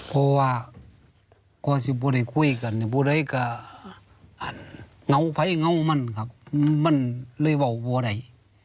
เพราะว่าก็จะไม่ได้คุยกันไม่ได้ก็เงาไผ้เงามันครับมันเลยบอกไม่ได้